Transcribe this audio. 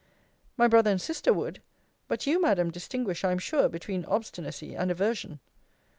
My brother and sister would: but you, Madam, distinguish, I am sure, between obstinacy and aversion.